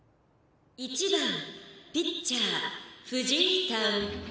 「１番ピッチャー藤井さん」。